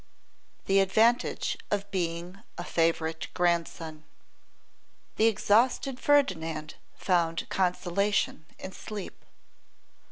The Advantage of Being a Favourite Grandson. THE exhausted Ferdinand found consolation in sleep.